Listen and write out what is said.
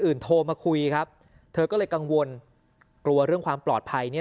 โทรมาคุยครับเธอก็เลยกังวลกลัวเรื่องความปลอดภัยเนี่ย